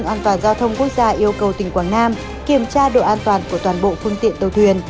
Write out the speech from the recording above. an toàn giao thông quốc gia yêu cầu tỉnh quảng nam kiểm tra độ an toàn của toàn bộ phương tiện tàu thuyền